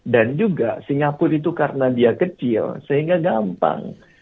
dan juga singapura itu karena dia kecil sehingga gampang